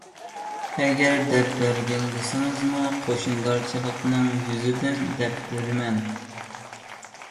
ئەگەر دەپ بەرگىن دېسىڭىزمۇ، قوشنىدارچىلىقنىڭ يۈزىدىن دەپ بېرەرمەن.